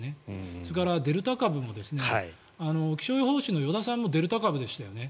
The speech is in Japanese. それからデルタ株も気象予報士の依田さんもデルタ株でしたよね。